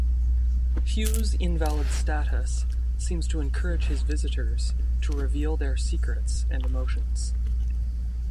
Hugh's invalid status seems to encourage his visitors to reveal their secrets and emotions.